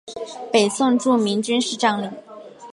北宋著名军事将领。